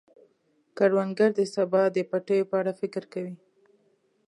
کروندګر د سبا د پټیو په اړه فکر کوي